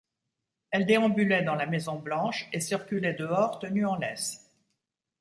Elle déambulait dans la Maison-Blanche, et circulait dehors tenue en laisse.